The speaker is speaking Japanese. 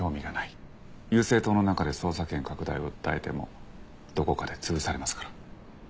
友政党の中で捜査権拡大を訴えてもどこかで潰されますから。